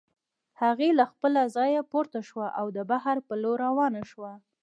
هغې له خپله ځايه پورته شوه او د بهر په لور روانه شوه.